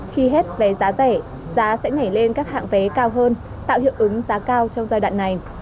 khi hết vé giá rẻ giá sẽ nhảy lên các hạng vé cao hơn tạo hiệu ứng giá cao trong giai đoạn này